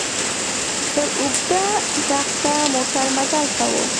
پر اوږده دښته موټر مزل کاوه.